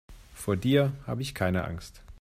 Vor dir habe ich keine Angst.